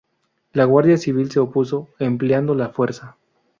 La guardia civil se opuso, empleando la fuerza.